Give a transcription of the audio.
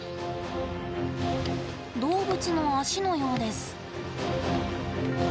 動物の脚のようです。